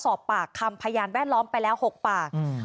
ขณะเดียวกันคุณอ้อยคนที่เป็นเมียฝรั่งคนนั้นแหละ